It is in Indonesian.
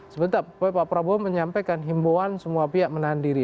sebenarnya pak prabowo menyampaikan himbuan semua pihak menahan diri